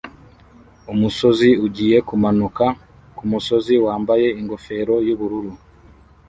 Umusozi ugiye kumanuka kumusozi wambaye ingofero yubururu